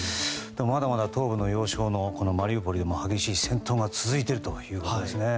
まだまだ東部の要衝のマリウポリでも激しい戦闘が続いているということですね。